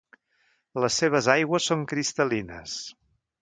Les seves aigües són cristal·lines.